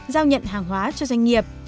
giao nhận hàng hóa cho doanh nghiệp